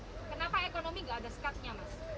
kenapa ekonomi tidak ada sekatnya